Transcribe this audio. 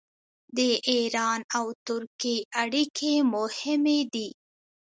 د ایران او ترکیې اړیکې مهمې دي.